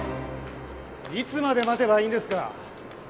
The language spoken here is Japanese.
いつまで待てばいいんですか？